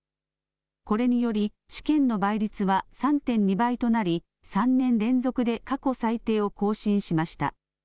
これにより試験の倍率は３．２倍となり３年連続で過去最低を更新しました。